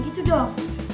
bingung dulu ya